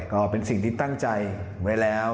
ก็เป็นสิ่งที่ตั้งใจไว้แล้ว